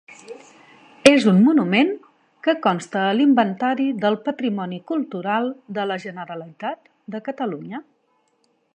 És un monument que consta a l’inventari del patrimoni cultural de la Generalitat de Catalunya.